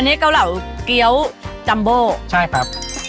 อันนี้เกาเหล่าเกี้ยวจัมโบใช่ครับ